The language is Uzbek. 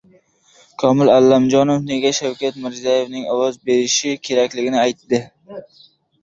Komil Allamjonov nega Shavkat Mirziyoyevga ovoz berish kerakligini aytdi